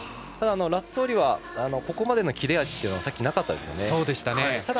ただラッツォーリはここまでの切れ味はさっきはなかったですよね。